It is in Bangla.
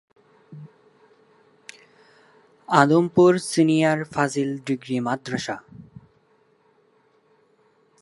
আদমপুর সিনিয়র ফাজিল ডিগ্রি মাদ্রাসা।